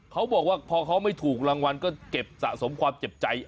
เขาบอกว่าพอเขาไม่ถูกรางวัลก็เก็บสะสมความเจ็บใจ